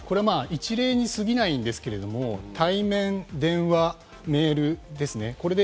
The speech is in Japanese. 一例に過ぎないんですけれども、対面、電話、メールですね。